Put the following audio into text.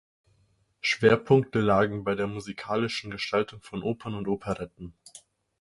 Schwerpunkte lagen bei der musikalischen Gestaltung von Opern und Operetten.